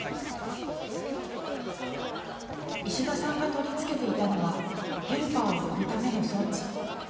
石田さんが取り付けていたのはヘルパーを呼ぶための装置。